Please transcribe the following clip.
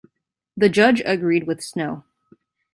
The judge agreed with Snow.